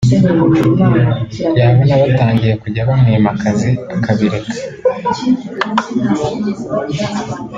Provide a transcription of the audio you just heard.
yabona batangiye kujya bamwima akazi akabireka